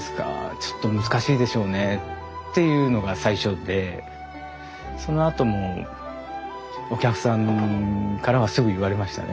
「ちょっと難しいでしょうね」っていうのが最初でそのあともお客さんからはすぐ言われましたね。